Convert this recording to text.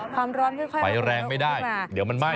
ความร้อนค่อยไปแรงไม่ได้เดี๋ยวมันไหม้